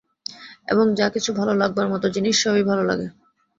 এবং যা কিছু ভালো লাগবার মতো জিনিস সবই ভালো লাগে।